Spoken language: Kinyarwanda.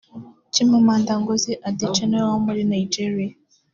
Chimamanda Ngozi Adichie nawe wo muri Nigeria